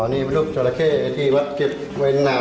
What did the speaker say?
อ๋อนี่เป็นลูกจอระเข้ที่วัดเก็บไวนานนั่น